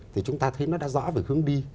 thì chúng ta thấy nó đã rõ về hướng đi